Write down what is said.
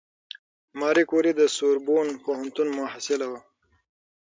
ماري کوري د سوربون پوهنتون محصله وه.